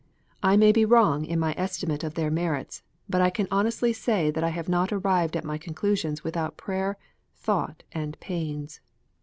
I may be wrong in my estimate of their merits ; but I can honestly say that I have not arrived at my conclusions without prayer, thought, and pains.